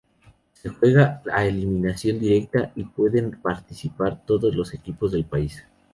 Se juega a eliminación directa y pueden participar todos los equipos del país.